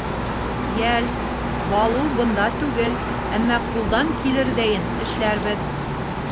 — Йәл, Балу бында түгел, әммә ҡулдан килерҙәйен эшләрбеҙ.